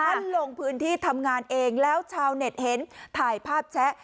ลงพื้นที่ทำงานเองแล้วชาวเน็ตเห็นถ่ายภาพแชะ